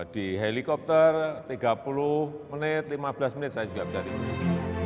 di helikopter tiga puluh menit lima belas menit saya juga bisa tidur